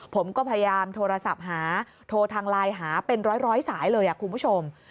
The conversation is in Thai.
ผมก็พยายามโทรศัพท์หาโทรทางไลน์หาเป็นร้อยสายเลยคุณผู้ชม